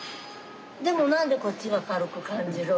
でもなんでこっちが軽く感じるの？